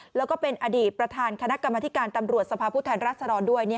แล้วก็เป็นอดีตประธานคณะกรรมธิการตำรวจสภาพผู้แทนรัศดรด้วย